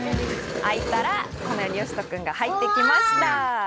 開いたらのようによしとくんが入ってきました。